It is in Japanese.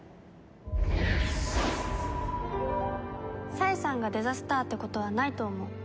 冴さんがデザスターってことはないと思う。